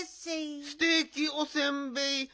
ステーキおせんべい。